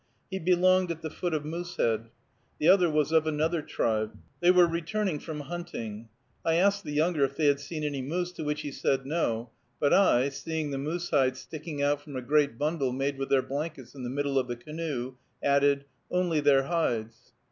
He belonged at the foot of Moosehead. The other was of another tribe. They were returning from hunting. I asked the younger if they had seen any moose, to which he said no; but I, seeing the moose hides sticking out from a great bundle made with their blankets in the middle of the canoe, added, "Only their hides."